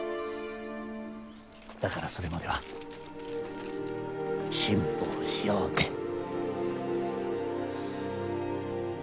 だからそれまでは辛抱しようぜ。